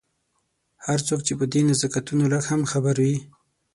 هر څوک چې په دې نزاکتونو لږ هم خبر وي.